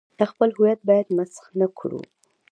خپل هویت باید مسخ نه کړو.